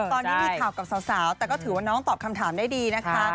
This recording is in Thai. ตอนนี้มีข่าวกับสาวแต่ก็ถือว่าน้องตอบคำถามได้ดีนะคะ